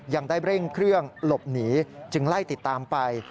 ยังได้เร่งเครื่องหลบหนีจึงไล่ติดตามไป